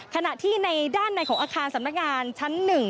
ขณะที่ในด้านในของอาคารสำนักงานชั้น๑